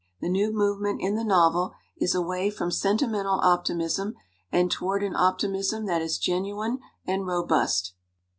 The new movement in the novel is away from sentimental optimism and toward an optimism that is genuine and robust."